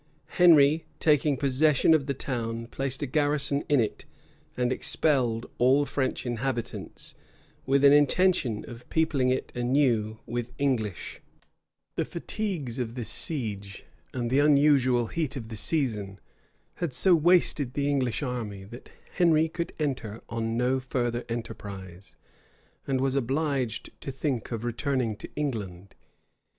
Henry, taking possession of the town, placed a garrison in it, and expelled all the French inhabitants, with an intention of peopling it anew with English. * Rymer, vol. ix. p. 303. St. Remi, chap. lv. Godwin, p. 65 The fatigues of this siege, and the unusual heat of the season, had so wasted the English army, that Henry could enter on no further enterprise; and was obliged to think of returning into England.